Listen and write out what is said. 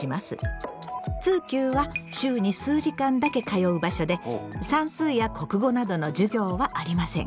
通級は週に数時間だけ通う場所で算数や国語などの授業はありません。